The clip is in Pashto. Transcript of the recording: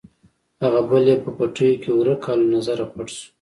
هغه بل یې په پټیو کې ورک او له نظره پټ شو.